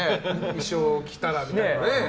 衣装を着たらみたいなね。